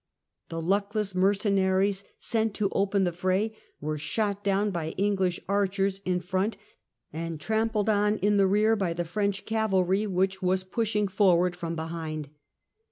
The luckless mercenaries, sent to open the fray, were shot down by Enghsh archers in front and trampled on in the rear by the French cavalry which was pushed forward from behind.